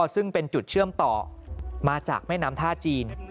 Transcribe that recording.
ซึ่งเป็นจุดเชื่อมต่อมาจากแม่น้ำท่าจีน